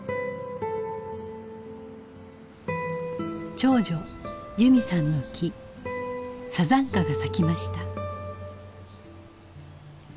長女由美さんの木山茶花が咲きました。